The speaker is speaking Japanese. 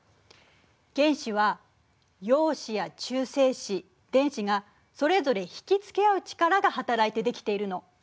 原子は陽子や中性子電子がそれぞれ引き付け合う力が働いて出来ているの。